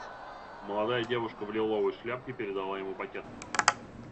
Молодая девушка в лиловой шляпке передала ему пакет.